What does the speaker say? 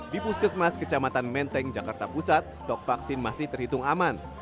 di puskesmas kecamatan menteng jakarta pusat stok vaksin masih terhitung aman